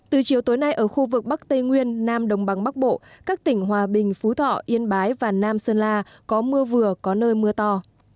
từ chiều tối nay ở khu vực bắc tây nguyên nam đồng bằng bắc bộ các tỉnh hòa bình phú thọ yên bái và nam sơn la có mưa vừa có nơi mưa to